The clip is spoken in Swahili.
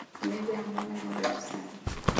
Meza ya mama ni refu sana